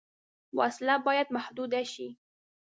وسله باید محدود شي